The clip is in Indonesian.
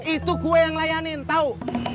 itu gue yang ngelayanin tau